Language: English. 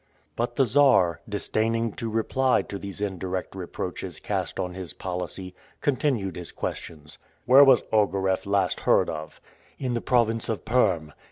But the Czar, disdaining to reply to these indirect reproaches cast on his policy, continued his questions. "Where was Ogareff last heard of?" "In the province of Perm."